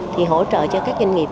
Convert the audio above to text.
thì hỗ trợ cho các doanh nghiệp